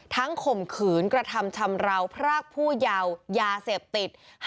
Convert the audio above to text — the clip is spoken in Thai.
ข่มขืนกระทำชำราวพรากผู้เยาว์ยาเสพติด